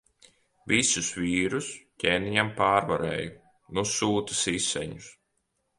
Visus vīrus ķēniņam pārvarēju. Nu sūta siseņus.